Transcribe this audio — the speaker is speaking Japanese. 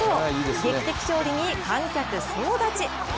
劇的勝利に観客総立ち。